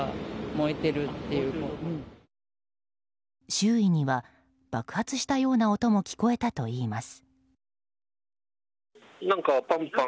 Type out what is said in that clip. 周囲には爆発したような音も聞こえたといいます。